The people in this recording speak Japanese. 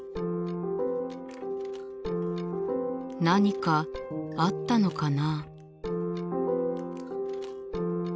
何かあったのかな？